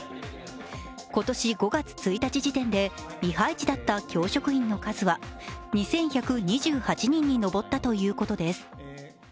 今年５月１日時点で、未配置だった教職員の数は２１２８人に上ったということです。